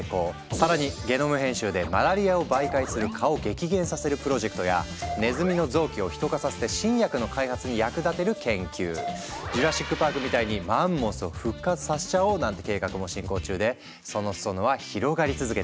更にゲノム編集でマラリアを媒介する蚊を激減させるプロジェクトやネズミの臓器をヒト化させて新薬の開発に役立てる研究ジュラシック・パークみたいにマンモスを復活させちゃおうなんて計画も進行中でその裾野は広がり続けているんです。